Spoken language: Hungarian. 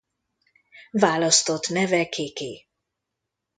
Választott neve Kiki.